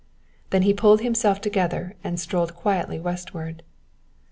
Then he pulled himself together and strolled quietly westward.